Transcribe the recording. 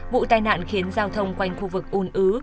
vụ tai nạn khiến giao thông quanh khu vực un ứ